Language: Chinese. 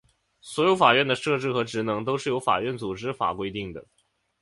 所有法院的设置和职能都是由法院组织法规定的。